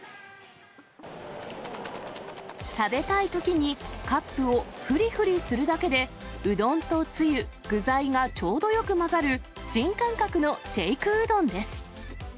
食べたいときに、カップをふりふりするだけで、うどんとつゆ、具材がちょうどよく混ざる新感覚のシェイクうどんです。